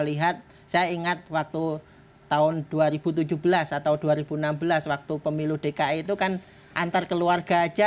lihat saya ingat waktu tahun dua ribu tujuh belas atau dua ribu enam belas waktu pemilu dki itu kan antar keluarga aja